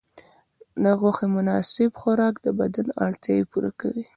د غوښې مناسب خوراک د بدن اړتیاوې پوره کوي.